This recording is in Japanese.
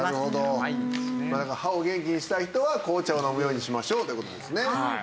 だから歯を元気にしたい人は紅茶を飲むようにしましょうという事ですね。